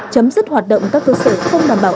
chấm dứt hoạt động các cơ sở không đảm bảo